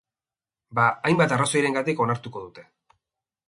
Ba, hainbat arrazoirengatik onartuko dute.